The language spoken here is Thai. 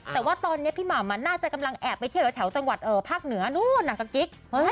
แต่ว่าตอนนี้พี่หม่ำน่าจะกำลังแอบไปเที่ยวแถวจังหวัดภาคเหนือนู้นกับกิ๊ก